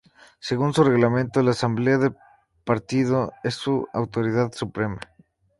Según su reglamento, la Asamblea del Partido es su autoridad suprema.